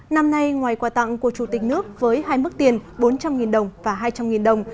năm nay ngoài quà tặng của chủ tịch nước với hai mức tiền bốn trăm linh đồng và hai trăm linh đồng